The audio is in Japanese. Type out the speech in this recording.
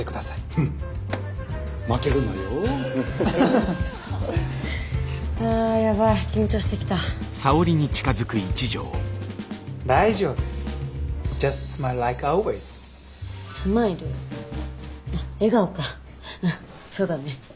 うんそうだね。